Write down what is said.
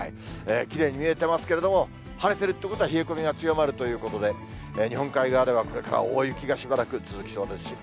きれいに見えてますけれども、晴れてるってことは、冷え込みが強まるということで、日本海側ではこれから大雪がしばらく続きそうです。